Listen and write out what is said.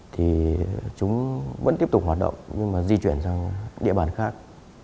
thì chúng vẫn tiếp tục hoạt động nhưng mà di chuyển sang địa bàn khác